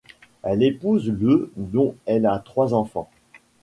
Elle épouse le dont elle a trois enfants.